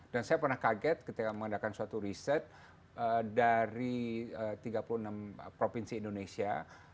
dan saya pernah kaget ketika mengadakan suatu riset dari tiga puluh enam provinsi indonesia